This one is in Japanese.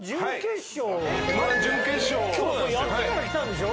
今日やってから来たんでしょ？